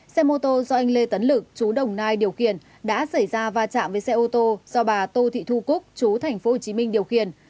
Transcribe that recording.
xe mô tô do anh lê tấn lực chú đồng nai điều khiển đã xảy ra va chạm với xe ô tô do bà tô thị thu cúc chú tp hcm điều khiển